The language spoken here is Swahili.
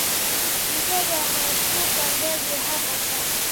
Mtoto anastuka ndeke apa sasa